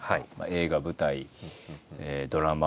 映画舞台ドラマ